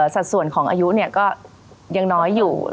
สัดส่วนของอายุก็ยังน้อยอยู่